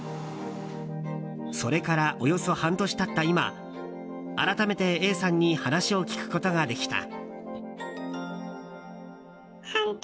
それからおよそ半年経った今改めてＡさんに話を聞くことができた。